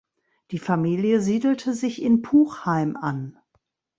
Die Familie siedelte sich in Puchheim an.